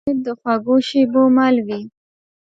چاکلېټ د خوږو شېبو مل وي.